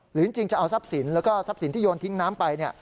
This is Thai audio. หรือจริงจะเอาทรัพย์สินแล้วก็ทรัพย์สินที่โยนทิ้งน้ำไป